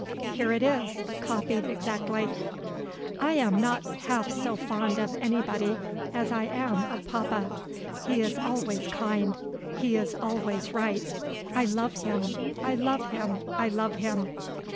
Here it is, copied exactly: "I am not half so fond of anybody as I am of papa. He is always kind, he is always right. I love him, I love him, I love him.